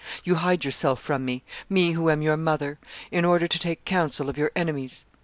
You hide yourself from me, me who am your mother, in order to take counsel of your enemies.